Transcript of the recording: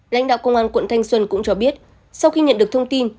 lãnh đạo công an quận thanh xuân cũng cho biết sau khi nhận được thông tin